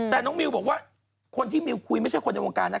แต่น้องมิวบอกว่าคนที่มิวคุยไม่ใช่คนในวงการนะ